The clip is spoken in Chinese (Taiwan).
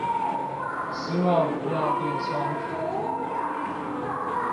希望不要變雙颱